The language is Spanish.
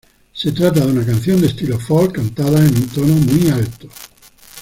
Se trata de una canción de estilo folk cantada en un tono muy alto.